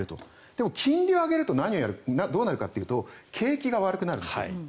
でも金利を上げるとどうなるかというと景気が悪くなるんです。